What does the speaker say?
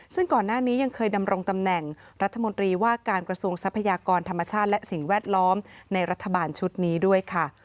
ซึ่งก่อนหน้านี้ยังเคยดำรงตำแหน่งรัฐมนตรีว่าการกระทรวงทรัพยากรธรรมชาติและสิ่งแวดล้อมในรัฐบาลชุดนี้ด้วยค่ะ